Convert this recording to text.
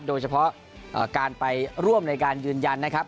โดยเฉพาะการไปร่วมในการยืนยันนะครับ